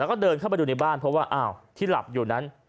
แล้วก็เดินเข้าไปดูในบ้านเพราะว่าอ้าวที่หลับอยู่นั้น